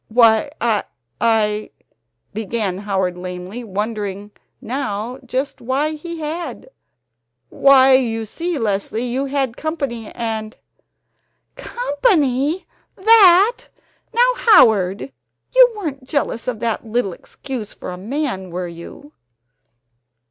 "Why I " began Howard lamely, wondering now just why he had ! "Why, you see, Leslie, you had company and " "Company! That! Now, Howard, you weren't jealous of that little excuse for a man, were you?"